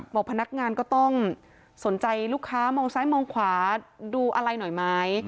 พนักงานก็ต้องสนใจลูกค้ามองซ้ายมองขวาดูอะไรหน่อยไหม